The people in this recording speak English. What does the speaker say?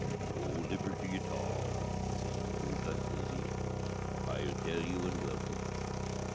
"No liberty at all," says the pooka, says he: "I'll tell you, and welcome.